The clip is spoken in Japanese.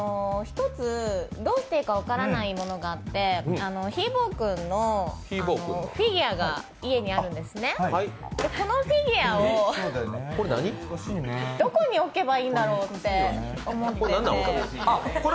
１つどうしたらいいかわからないものがあって、ひーぼぉくんのフィギュアがあって、このフィギュアをどこに置けばいいんだろうって思っていて。